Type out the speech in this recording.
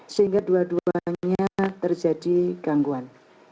sehingga dua duanya terjadi gangguan